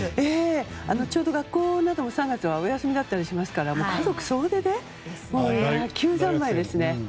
ちょうど学校なども３月はお休みだったりしますから家族総出で野球三昧ですね。